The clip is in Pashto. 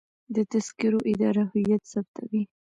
د تذکرو اداره هویت ثبتوي